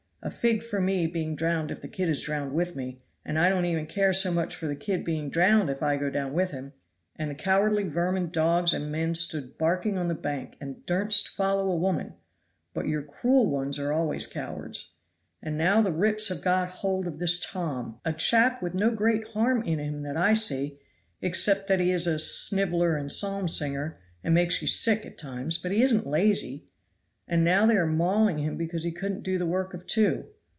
A fig for me being drowned if the kid is drowned with me; and I don't even care so much for the kid being drowned if I go down with him and the cowardly vermin dogs and men stood barking on the bank and dursn't follow a woman; but your cruel ones are always cowards. And now the rips have got hold of this Tom. A chap with no great harm in him that I see, except that he is a sniveler and psalm singer, and makes you sick at times, but he isn't lazy; and now they are mauling him because he couldn't do the work of two.